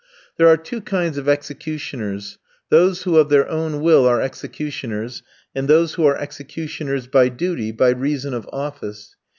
There are two kinds of executioners, those who of their own will are executioners and those who are executioners by duty, by reason of office.